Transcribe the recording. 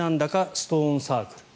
ストーンサークル。